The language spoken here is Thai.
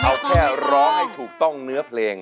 เอาแค่ร้องให้ถูกต้องเนื้อเพลง